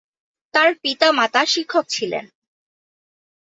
তার পিতা, মাতা শিক্ষক ছিলেন।